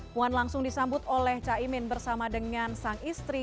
puan langsung disambut oleh caimin bersama dengan sang istri